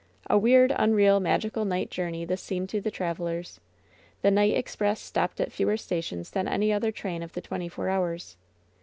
A weird, unreal, magical night journey this seemed to the travelers. The night express stopped at fewer stations than any other train of the twenty four hours.